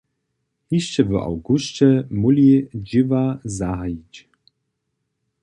Hišće w awgusće móhli dźěła zahajić.